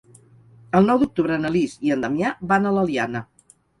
El nou d'octubre na Lis i en Damià van a l'Eliana.